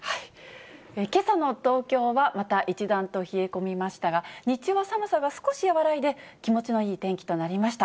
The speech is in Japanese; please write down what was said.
けさの東京はまた一段と冷え込みましたが、日中は寒さが少し和らいで、気持ちのいい天気となりました。